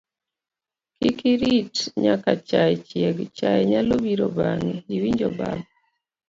kik irit nyaka chaye chieg, chaye nyalo biro bang'e, iwinjo baba